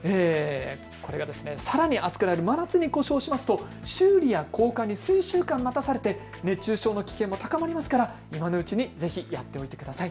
さらに暑くなる真夏に故障しますと修理や交換に数週間待たされて熱中症の危険が高まりますから今のうちにやっておいてください。